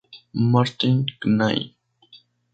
Martin Knight